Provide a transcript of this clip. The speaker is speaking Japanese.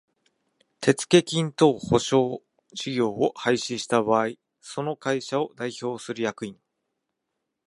手付金等保証事業を廃止した場合その会社を代表する役員